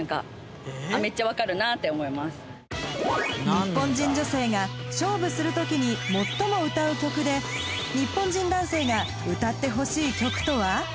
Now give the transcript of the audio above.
ニッポン人女性が勝負する時に最も歌う曲でニッポン人男性が歌ってほしい曲とは？